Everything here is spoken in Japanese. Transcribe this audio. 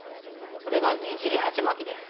それがねじりはち巻きです。